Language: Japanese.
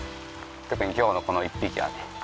特にきょうのこの１匹はね